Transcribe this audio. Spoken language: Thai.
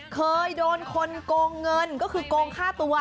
เคยโดนคนโกงเงินก็คือโกงฆ่าตัว